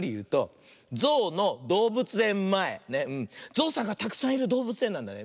ぞうさんがたくさんいるどうぶつえんなんだね。